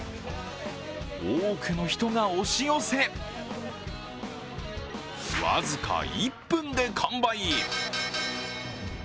多くの人が押し寄せ僅か１分で完売。